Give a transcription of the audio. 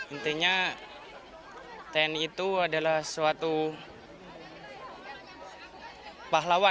intinya tni itu adalah suatu pahlawan